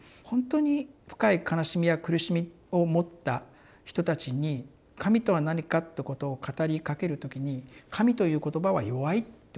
ほんとに深い悲しみや苦しみを持った人たちに「神とは何か」ってことを語りかける時に「神」という言葉は弱いっていうこと。